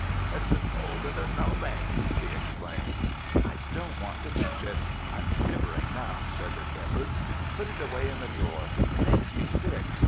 "It's as cold as a snow bank!" she exclaimed. "I don't want to touch it! I'm shivering now," said the Shepherd. "Put it away in the drawer. It makes me sick.